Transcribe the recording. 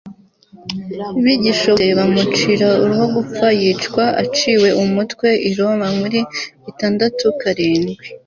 bigishobotse, bamucira urwo gupfa yicwa aciwe umutwe i roma muri itandatu karindwi